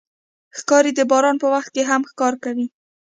ښکاري د باران په وخت کې هم ښکار کوي.